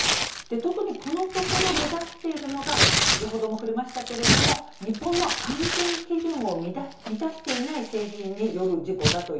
特にこのところ目立っているのが先ほども触れましたけれども日本の安全基準を満たしていない製品による事故だというんです。